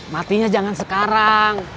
matinya jangan sekarang